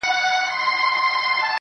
انسان کرنه زده کړه